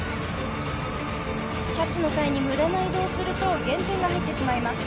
キャッチの際に無駄な移動をすると減点が入ってしまいます。